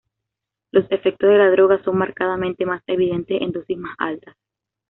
Los efectos de la droga son marcadamente más evidentes en dosis más altas.